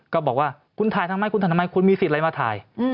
ก็บอกว่าคุณถ่ายทำไมคุณถ่ายทำไมคุณมีสิทธิ์อะไรมาถ่าย